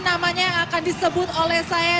namanya akan disebut oleh saya